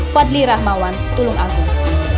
fadli rahmawan tulung agung